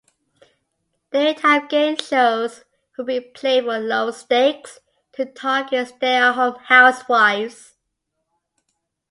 Daytime game shows would be played for lower stakes to target stay-at-home housewives.